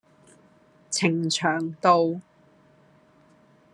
呈祥道